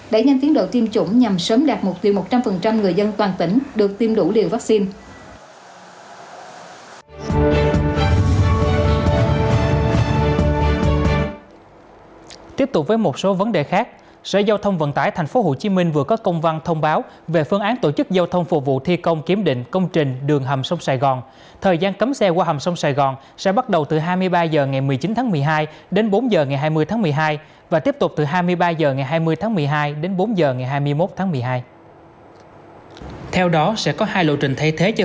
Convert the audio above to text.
đẩy nhanh tiến độ tiêm chủng nhằm sớm đạt mục tiêu một trăm linh người dân toàn tỉnh được tiêm đủ liều vaccine